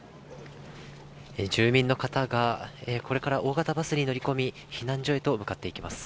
住民の方が、これから大型バスに乗り込み、避難所へと向かっていきます。